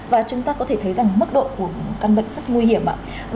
và chúng ta có thể thấy rằng mức độ của căn bệnh rất nguy hiểm ạ